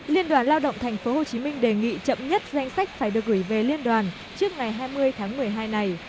liên đoàn lao động tp hcm đề nghị chậm nhất danh sách phải được gửi về liên đoàn trước ngày hai mươi tháng một mươi hai này